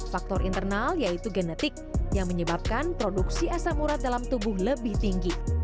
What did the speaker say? faktor internal yaitu genetik yang menyebabkan produksi asam urat dalam tubuh lebih tinggi